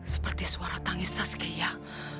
seperti suara tangis saskiyah